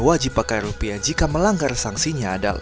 wajib pakai rupiah jika melanggar sanksinya